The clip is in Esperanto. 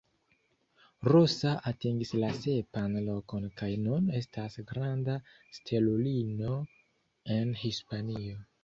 Rosa atingis la sepan lokon kaj nun estas granda stelulino en Hispanio.